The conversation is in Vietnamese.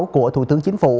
của thủ tướng chính phủ